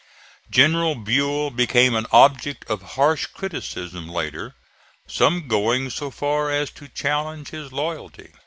General Buell became an object of harsh criticism later, some going so far as to challenge his loyalty.